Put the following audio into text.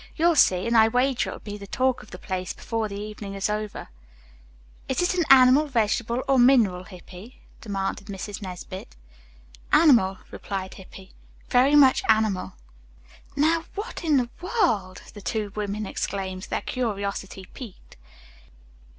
You'll see, and I wager it will be the talk of the place before the evening is over." "Is it animal, vegetable or mineral, Hippy?" demanded Mrs. Nesbit. "Animal," replied Hippy. "Very much animal." "Now, what in the world," the two women exclaimed, their curiosity piqued.